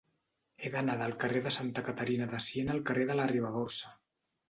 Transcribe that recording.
He d'anar del carrer de Santa Caterina de Siena al carrer de la Ribagorça.